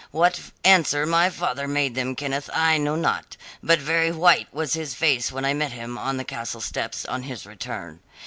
What answer my father made them, Kenneth, I know not, but very white was his face when I met him on the castle steps on his return.